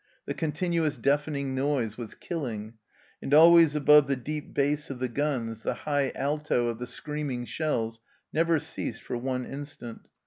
The continuous deafening noise was killing, and always above the deep bass of the guns the high alto of the screaming shells never ceased for one instant.